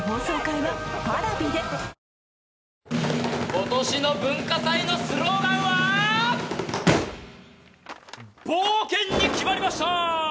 今年の文化祭のスローガンは冒険に決まりましたー！